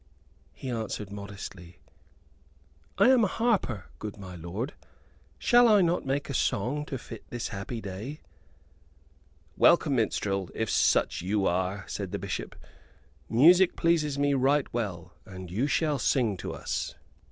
He answered, modestly: "I am a harper, good my lord. Shall I not make a song to fit this happy day?" "Welcome, minstrel, if such you are," said the Bishop. "Music pleases me right well, and you shall sing to us."